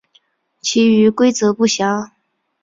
其余规则不详。